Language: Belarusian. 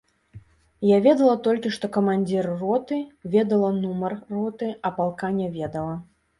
Я ведала толькі, што камандзір роты, ведала нумар роты, а палка не ведала.